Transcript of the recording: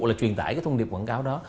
là truyền đải thông điệp quảng cáo đó